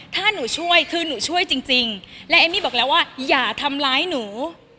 ถ้าหนูช่วยคือหนูช่วยจริงและเอมมี่บอกแล้วว่าอย่าทำร้ายหนู